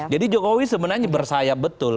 jadi jokowi sebenarnya bersayap betul